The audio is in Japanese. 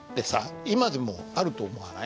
今でもあると思わない？